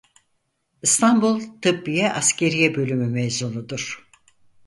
İstanbul Tıbbiye Askerîye Bölümü mezunudur.